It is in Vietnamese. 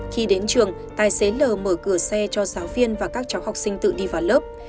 khi đến trường tài xế l mở cửa xe cho giáo viên và các cháu học sinh tự đi vào lớp